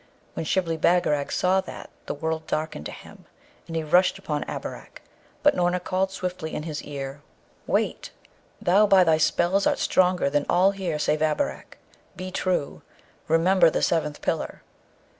When Shibli Bagarag saw that, the world darkened to him, and he rushed upon Abarak; but Noorna called swiftly in his ear, 'Wait! wait! Thou by thy spells art stronger than all here save Abarak. Be true! Remember the seventh pillar!'